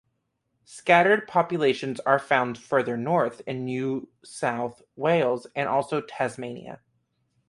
Scattered populations are found further north in New South Wales and also in Tasmania.